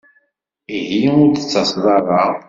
Ihi ur d-tettaseḍ ara?